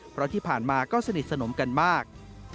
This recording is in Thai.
เพราะที่ผ่านมาก็สนิทสนมกันมาก